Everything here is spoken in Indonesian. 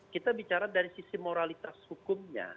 kita bicara dari sisi moralitas hukumnya